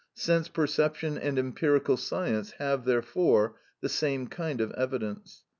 Sense perception and empirical science have, therefore, the same kind of evidence.